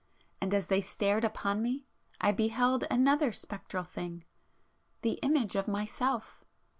And as they stared upon me I beheld another spectral thing,—the image of Myself!